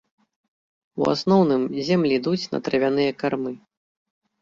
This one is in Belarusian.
У асноўным, землі ідуць на травяныя кармы.